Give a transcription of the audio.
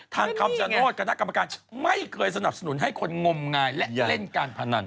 คำชโนธคณะกรรมการไม่เคยสนับสนุนให้คนงมงายและเล่นการพนัน